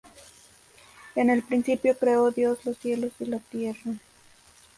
En el principio creó Dios los cielos y la tierra.